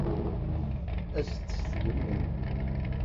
As-d s tgemmi.